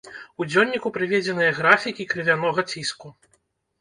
У дзённіку прыведзеныя графікі крывянога ціску.